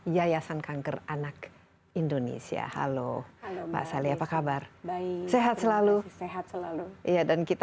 yayasan kanker anak indonesia halo pak sali apa kabar baik sehat selalu sehat selalu iya dan kita